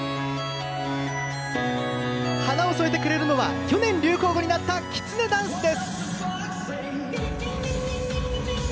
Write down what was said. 花を添えてくれるのは去年、流行語になった「きつねダンス」です。